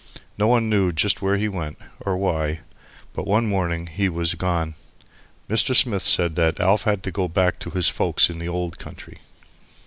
No one knew just when he went, or why. But one morning he was gone. Mr. Smith said that "Alf had to go back to his folks in the old country."